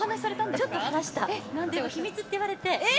ちょっと話したんだけど秘密って言われて。